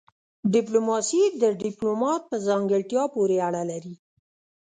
ډيپلوماسي د ډيپلومات په ځانګړتيا پوري اړه لري.